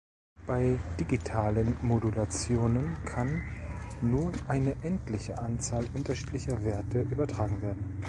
Bei digitalen Modulationen kann nur eine endliche Anzahl unterschiedlicher Werte übertragen werden.